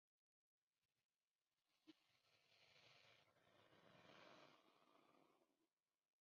La versión de Wii incluye una funcionalidad orientada a su controlador.